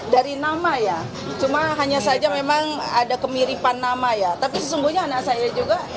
dari nama ya cuma hanya saja memang ada kemiripan nama ya tapi sesungguhnya anak saya juga